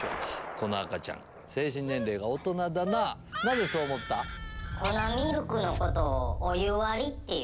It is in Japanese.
この赤ちゃん精神年齢が大人だななぜそう思った？って言う。